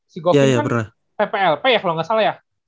si govin kan pplp ya kalo gak salah ya